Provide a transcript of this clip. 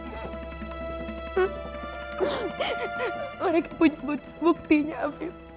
mereka punya buktinya afid